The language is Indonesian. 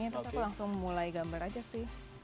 terus aku langsung mulai gambar aja sih